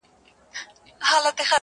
کله مسجد کي گډ يم کله درمسال ته گډ يم~